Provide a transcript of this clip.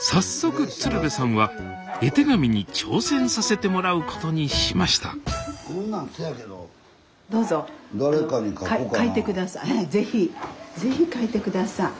早速鶴瓶さんは絵手紙に挑戦させてもらうことにしました是非是非書いて下さい。